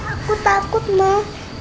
aku takut emak